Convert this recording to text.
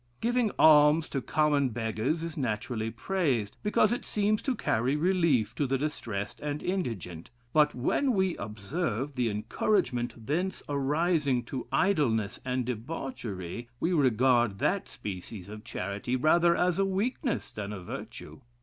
Giving alms to common beggars is naturally praised; because it seems to carry relief to the distressed and indigent; but when we observe the encouragement thence arising to idleness and debauchery, we regard that species of charity rather as a weakness than a virtue.